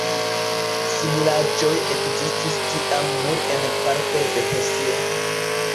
Similaĵoj ekzistis tiam nur en partoj de Hesio.